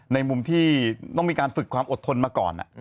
ในมุมที่ต้องมีการฝึกความอดทนมาก่อน